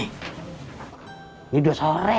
ini udah sore